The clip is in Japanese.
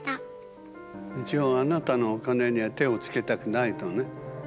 一応、あなたのお金には手を付けたくないのね。